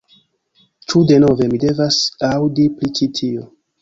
Ĉu denove, mi devas aŭdi pri ĉi tio